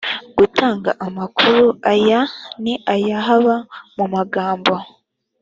gutanga amakuru aya n aya haba mu magambo